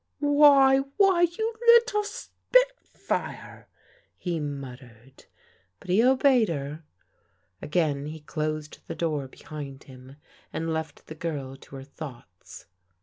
Why, why, you little spitfire! " he muttered. But he obeyed her. Again he closed the door behind him and left the girl to her thoughts.